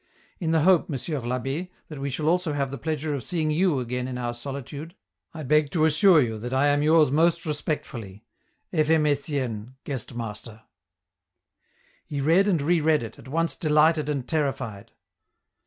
In the hope. Monsieur I'Abb^, that we shall also have the pleasure of seeing you again in our solitude, I beg to assure you that I am yours most respectfully, " F. M. Etienne, " Guesfmasfer." He read and re read it, at once delighted and terrified.